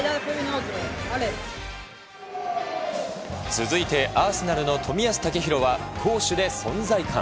続いてアーセナルの冨安健洋は攻守で存在感。